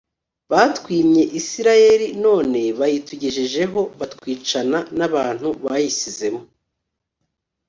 batwimye Isirayeli none bayitugejejeho batwicana n abantu bayisizemo